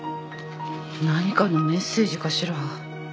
何かのメッセージかしら。